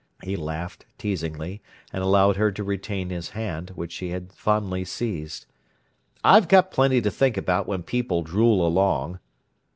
He laughed, teasingly, and allowed her to retain his hand, which she had fondly seized. "I've got plenty to think about when people drool along!"